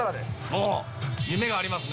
おっ、夢がありますね。